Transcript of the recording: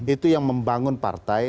itu yang membangun partai